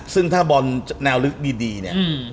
ซึ่งถ้าบอลแนวลึกดีเนี่ย